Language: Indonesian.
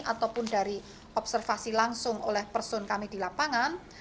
ataupun dari observasi langsung oleh person kami di lapangan